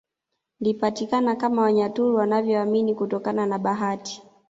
Lipatikana kama Wanyaturu wanaovyoamini hutokana na bahati